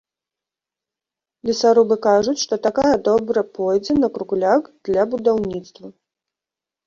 Лесарубы кажуць, што такая добра пойдзе на кругляк для будаўніцтва.